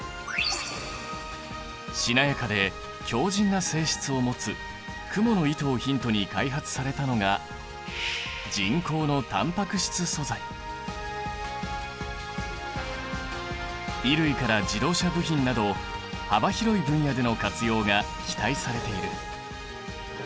しなやかで強じんな性質を持つクモの糸をヒントに開発されたのが衣類から自動車部品など幅広い分野での活用が期待されている。